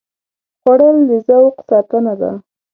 خوړل د ذوق ساتنه ده